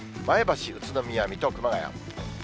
前橋、宇都宮、水戸、熊谷。